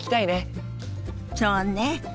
そうね。